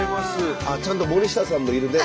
ちゃんと森下さんもいるね。